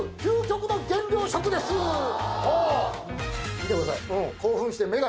見てください。